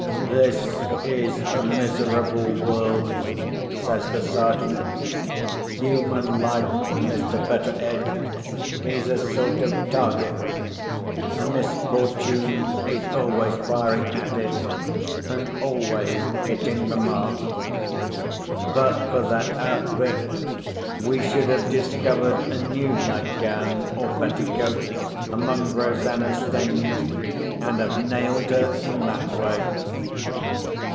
"This is a miserable world," says the Sergeant. "Human life, Mr. Betteredge, is a sort of target—misfortune is always firing at it, and always hitting the mark. But for that outfit, we should have discovered a new nightgown or petticoat among Rosanna's things, and have nailed her in that way.